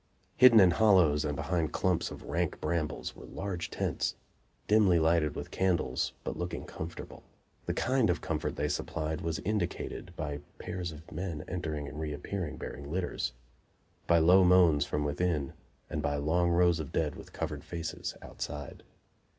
Hidden in hollows and behind clumps of rank brambles were large tents, dimly lighted with candles, but looking comfortable. The kind of comfort they supplied was indicated by pairs of men entering and reappearing, bearing litters; by low moans from within and by long rows of dead with covered faces outside.